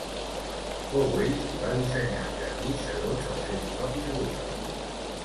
Fou ell qui va dissenyar el jardí segons els seus propis gustos.